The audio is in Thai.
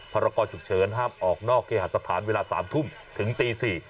รกรฉุกเฉินห้ามออกนอกเคหาสถานเวลา๓ทุ่มถึงตี๔